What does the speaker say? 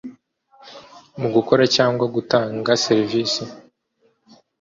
mu gukora cyangwa gutanga serivise